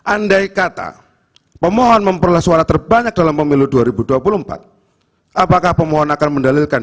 andai kata pemohon memperoleh suara terbanyak dalam pemilu dua ribu dua puluh empat apakah pemohon akan mendalilkan